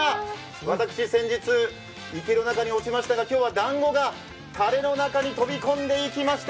私、先日、池の中に落ちましたが今日はだんごがたれの中に飛び込んでいきました。